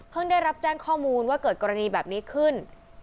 ได้รับแจ้งข้อมูลว่าเกิดกรณีแบบนี้ขึ้น